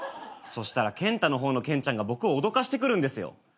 そしたらケンタの方のケンちゃんが僕を脅かしてくるんですよ。